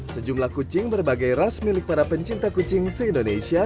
sejumlah kucing berbagai ras milik para pencinta kucing se indonesia